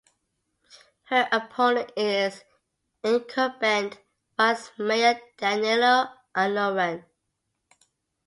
Her opponent is incumbent Vice Mayor Danilo Anuran.